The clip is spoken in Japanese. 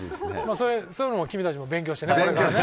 そういうのも君たちも勉強してね